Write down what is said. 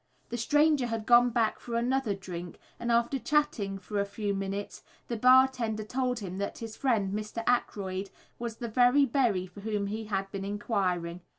The stranger had gone back for another drink, and after chatting for a few minutes, the bar tender told him that his friend Mr. Aykroyd was the very Berry for whom he had been enquiring.